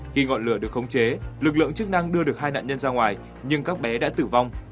khi ngọn lửa được khống chế lực lượng chức năng đưa được hai nạn nhân ra ngoài nhưng các bé đã tử vong